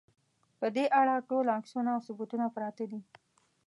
په دې اړه ټول عکسونه او ثبوتونه پراته دي.